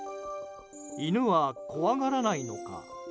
犬は怖がらないのか。